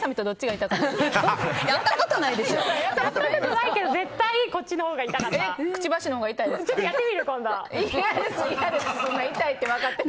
やったことないけど絶対こっちのほうが痛かった。